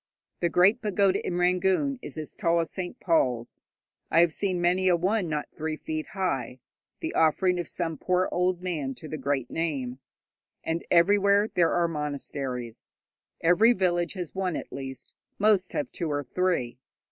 The great pagoda in Rangoon is as tall as St. Paul's; I have seen many a one not three feet high the offering of some poor old man to the Great Name, and everywhere there are monasteries. Every village has one, at least; most have two or three.